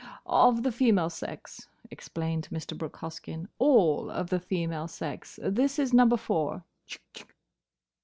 "Of the female sex," explained Mr. Brooke Hoskyn: "all of the female sex. This is Number Four.